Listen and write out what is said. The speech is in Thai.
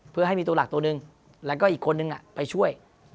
เพื่อให้มีตัวหลักตัวหนึ่งแล้วก็อีกคนนึงไปช่วย